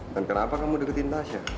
dan kenapa kamu deketin asia